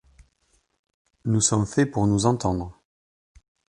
Nous sommes faits pour nous entendre.